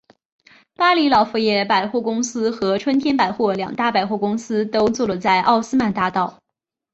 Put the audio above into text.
巴黎老佛爷百货公司和春天百货两大百货公司都坐落在奥斯曼大道。